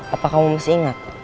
apakah kamu masih ingat